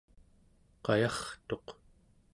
qayartuq